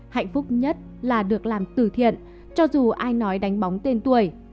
hạnh phúc nhất là được làm từ thiện cho dù ai nói đánh bóng tên tuổi